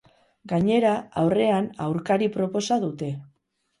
Gainera, aurrean aurkari proposa dute.